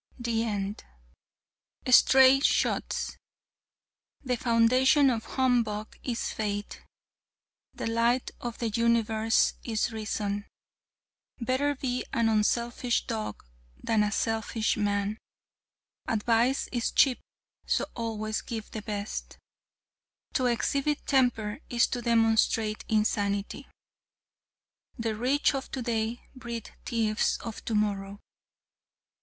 '" (THE END.) STRAY SHOTS The foundation of humbug is faith. The light of the universe is reason. Better be an unselfish dog than a selfish man. Advice is cheap, so always give the best. To exhibit temper is to demonstrate insanity. The rich of today breed thieves for tomorrow.